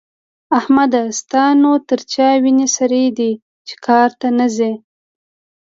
احمده! ستا نو تر چا وينې سرې دي چې کار ته نه ځې؟